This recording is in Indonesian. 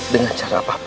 dengan cara apa pun